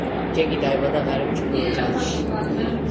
ჯეკი დაიბადა ღარიბ ჩინურ ოჯახში.